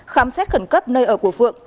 khám xét khẩn cấp nơi ở của phượng